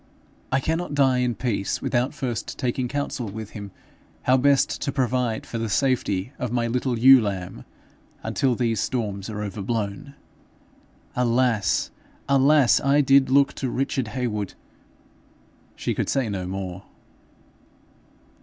I cannot die in peace without first taking counsel with him how best to provide for the safety of my little ewe lamb until these storms are overblown. Alas! alas! I did look to Richard Heywood ' She could say no more.